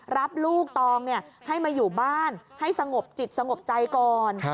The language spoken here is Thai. รับลูกตองให้มาอยู่บ้านให้สงบจิตสงบใจก่อน